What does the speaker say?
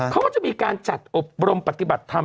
เขาก็จะมีการจัดอบรมปฏิบัติธรรม